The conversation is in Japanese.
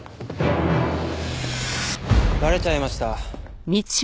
バレちゃいました？